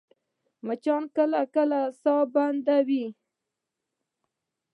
مچان کله کله ساه بندوي